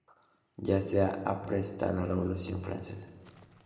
Ya se apresta la Revolución francesa.